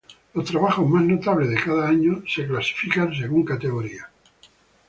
Los trabajos más notables de cada año son clasificados según las categorías.